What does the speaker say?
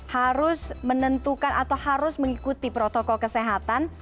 harus menentukan atau harus mengikuti protokol kesehatan